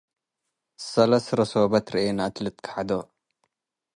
ሰለስ ረሶብ ረኤነ - እት ልትከሐዶ